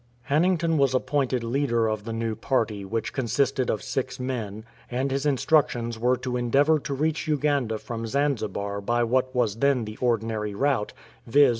Hannington was appointed leader of the new party, which consisted of six men ; and his instructions were to endeavour to reach Uganda from Zanzibar by what was then the ordinary route, viz.